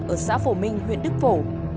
ở xã phổ minh huyện đức phổ